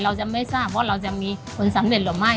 เราจะไม่ทราบว่าเราจะมีผลสำเร็จหรือไม่